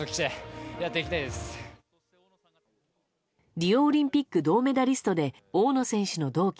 リオオリンピック銅メダリストで大野選手の同期